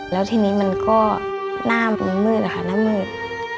แล้วทีนี้มันก็หน้ามันมืดนะคะหน้ามืด